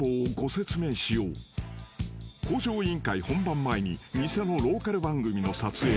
［『向上委員会』本番前に偽のローカル番組の撮影］